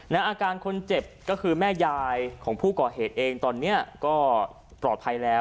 อาการคนเจ็บก็คือแม่ยายของผู้ก่อเหตุเองตอนนี้ก็ปลอดภัยแล้ว